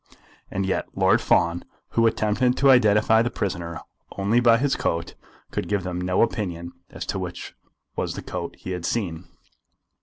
And yet Lord Fawn, who attempted to identify the prisoner only by his coat, could give them no opinion as to which was the coat he had seen!